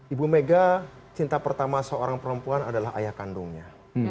ibu mega cinta pertama seorang perempuan adalah ayah kandungnya